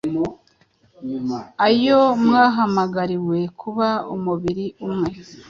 ayo mwahamagariwe kuba umubiri umwe,